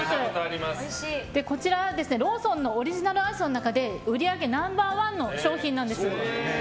こちらはローソンのオリジナルアイスの中で売り上げナンバー１の商品なんです。